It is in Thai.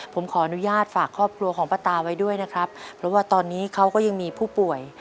ผมขออนุญาตฝากครอบครัวของป้าตาไว้ด้วยนะครับเพราะว่าตอนนี้เขาก็ยังมีผู้ป่วย